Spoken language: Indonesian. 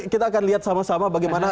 kita akan lihat sama sama bagaimana